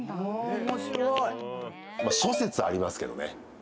諸説ありますけどね。